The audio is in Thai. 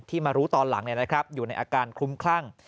มารู้ตอนหลังอยู่ในอาการคลุ้มคลั่ง